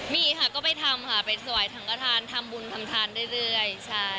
มีค่ะก็ไปทำค่ะไปสวัสดีทางกระทานทำบุญทำทานได้เลยใช่